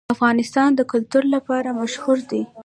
افغانستان د کلتور لپاره مشهور دی.